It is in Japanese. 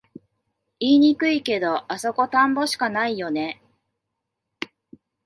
言いにくいけど、あそこ田んぼしかないよね